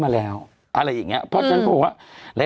อะไรอย่างเนี่ยเพราะฉะนั้นพูดว่า